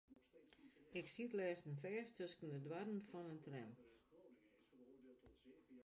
Ik siet lêsten fêst tusken de doarren fan in tram.